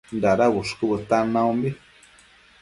Dada bushcu bëtan naumbi